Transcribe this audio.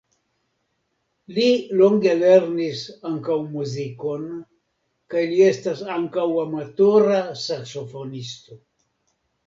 Li longe lernis ankaŭ muzikon kaj li estas ankaŭ amatora saksofonisto.